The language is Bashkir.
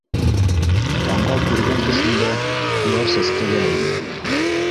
Таңға күргән төшөндә улар сәскәлә ине.